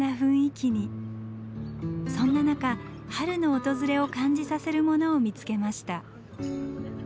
そんな中春の訪れを感じさせるものを見つけました。